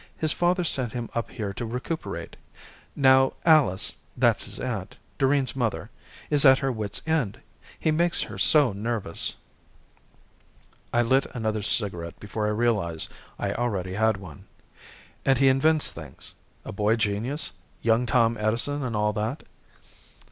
His father sent him up here to recuperate. Now Alice that's his aunt, Doreen's mother is at her wits' end, he makes her so nervous." I lit another cigarette before I realized I already had one. "And he invents things? A boy genius? Young Tom Edison and all that?"